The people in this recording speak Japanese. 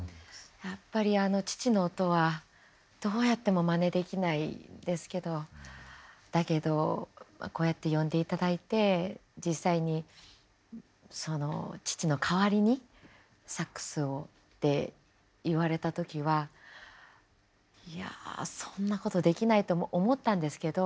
やっぱりあの父の音はどうやってもまねできないですけどだけどこうやって呼んでいただいて実際にその父の代わりにサックスをって言われた時はいやそんなことできないと思ったんですけど